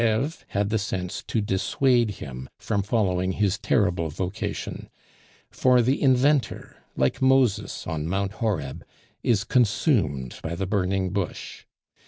Eve had the sense to dissuade him from following his terrible vocation; for the inventor like Moses on Mount Horeb, is consumed by the burning bush.